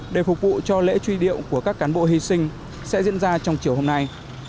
để phục vụ cho lễ truy điệu của các cán bộ hy sinh sẽ diễn ra trong chiều hôm nay